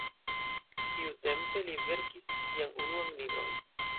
Tiutempe li verkis sian unuan libron.